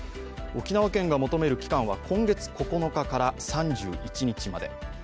沖縄県が求める期間は今月９日から３１日まで。